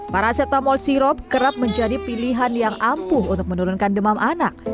paracetamol sirop kerap menjadi pilihan yang ampuh untuk menurunkan demam anak